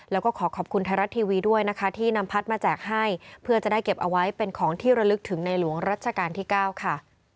แล้วก็ขอขอบคุณไทยรัฐทีวีด้วยนะคะที่นำพัดมาแจกให้เพื่อจะได้เก็บเอาไว้เป็นของที่ระลึกถึงในหลวงรัชกาลที่๙ค่ะ